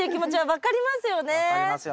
分かりますよね。